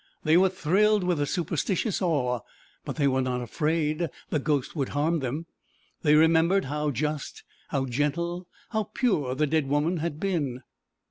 They were thrilled with a superstitious awe, but they were not afraid the ghost would harm them. They remembered how just, how gentle, how pure the dead woman had been.